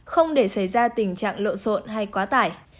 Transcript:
không để xảy ra tình trạng lộn xộn hay quá tải